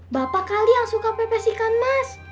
bapak kali yang suka pepes ikan mas